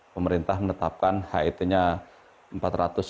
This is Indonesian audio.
pemerintah menetapkan hit nya rp empat ratus sembilan puluh lima